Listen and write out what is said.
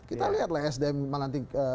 kita lihat lah sdm melantik